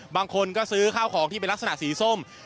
บางคนก็ซื้อข้าวของที่เป็นลักษณะสีส้ม